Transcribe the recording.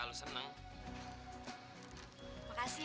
hai niko kebetulan banget kalau disini